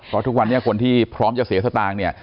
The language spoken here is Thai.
เพราะทุกวันนี้คนที่พร้อมจะเสียสตางค์เนี่ย